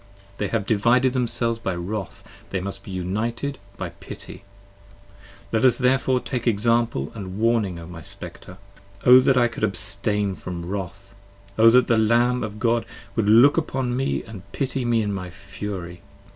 They have divided themselves by Wrath, they must be united by Pity: let us therefore take example & warning O my Spectre. O that I could abstain from wrath ! O that the Lamb 60 Of God would look upon me and pity me in my fury.